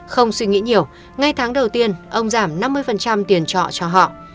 không suy nghĩ nhiều ngay tháng đầu tiên ông giảm năm mươi tiền trọ cho họ